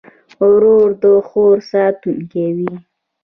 ورور د خور ساتونکی وي.